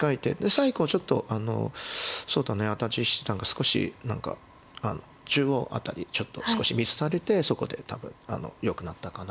最後ちょっとそうだね安達七段が少し何か中央辺りちょっと少しミスされてそこで多分よくなったかなという。